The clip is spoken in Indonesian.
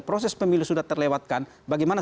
proses pemilu sudah terlewatkan bagaimana